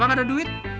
bapak ga ada duit